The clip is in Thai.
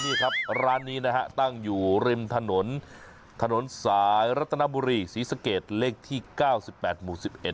นี่ครับร้านนี้นะฮะตั้งอยู่ริมถนนถนนสายรัตนบุรีศรีสะเกดเลขที่๙๘หมู่๑๑